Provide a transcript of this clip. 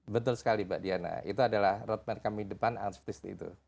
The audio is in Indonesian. betul sekali mbak diana itu adalah roadmap kami ke depan alas seperti itu